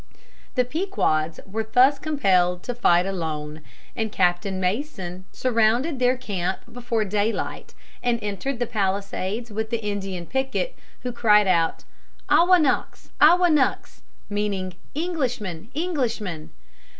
The Pequods were thus compelled to fight alone, and Captain Mason by a coup d'état surrounded their camp before daylight and entered the palisades with the Indian picket, who cried out "Owanux! Owanux!" meaning "Englishmen. Englishmen."